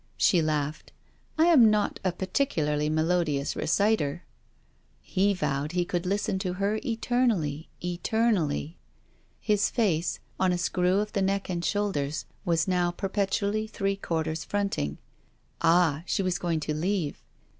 She laughed. 'I am not a particularly melodious reciter.' He vowed he could listen to her eternally, eternally. His face, on a screw of the neck and shoulders, was now perpetually three quarters fronting. Ah! she was going to leave.